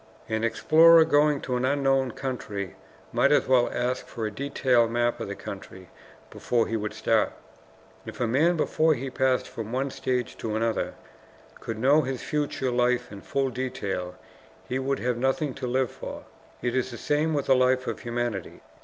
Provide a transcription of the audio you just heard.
An explorer going to an unknown country might as well ask for a detailed map of the country before he would start. If a man, before he passed from one stage to another, could know his future life in full detail, he would have nothing to live for. It is the same with the life of humanity.